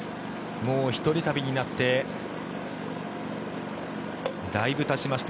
もう１人旅になってだいぶたちました。